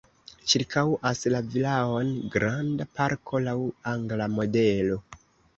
Ĉirkaŭas la vilaon granda parko laŭ angla modelo.